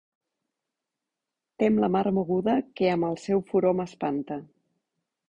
Tem la mar moguda que amb el seu furor m'espanta.